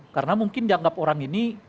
karena mungkin dianggap orang ini